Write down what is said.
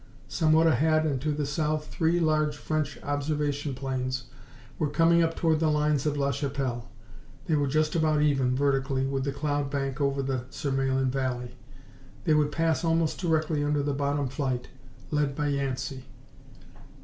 Somewhat ahead, and to the south, three large French observation planes were coming up toward the lines at la Chapelle. They were just about even, vertically, with the cloud bank over the Surmelin Valley. They would pass almost directly under the bottom flight, led by Yancey.